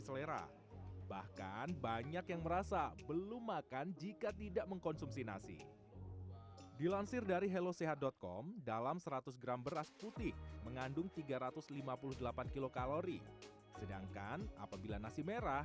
selera bahkan banyak yang merasa belum makan jika tidak mengkonsumsi nasi dilansir dari helosehat com